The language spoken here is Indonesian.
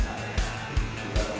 chris akan kembali